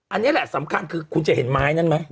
อันนี้แหละสำคัญคือคุณจะเห็นไม้นั้นไหม